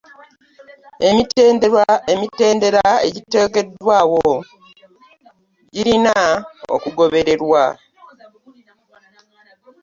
Emitendera egiteereddwaawo girina okugobererwa.